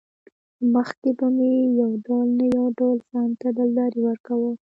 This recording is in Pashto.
مخکې به مې يو ډول نه يو ډول ځانته دلداري ورکوه.